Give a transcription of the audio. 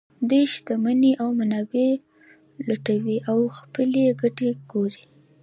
دوی شتمنۍ او منابع لوټوي او خپلې ګټې ګوري